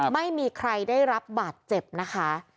ไม่มีใครได้รับบาดเจ็บนะคะ